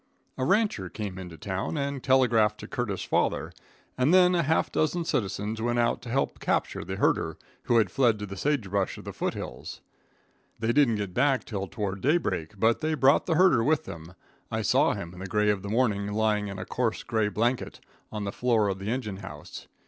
A rancher came into town and telegraphed to Curtis' father, and then a half dozen citizens went out to help capture the herder, who had fled to the sage brush of the foot hills. They didn't get back till toward daybreak, but they brought the herder with them, I saw him in the gray of the morning, lying in a coarse gray blanket, on the floor of the engine house.